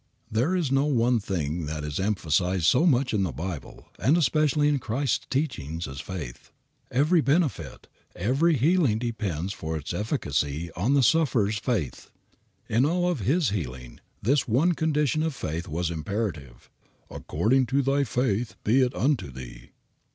There is no one thing that is emphasized so much in the Bible, and especially in Christ's teachings as faith. Every benefit, every healing depends for its efficacy on the sufferer's faith. In all of His healing this one condition of faith was imperative "_According to thy faith be it unto thee.